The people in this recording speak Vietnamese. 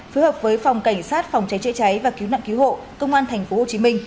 phối hợp với phòng cảnh sát phòng cháy chữa cháy và cứu nạn cứu hộ công an tp hcm